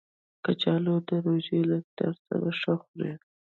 کچالو د روژې له افطار سره ښه خوري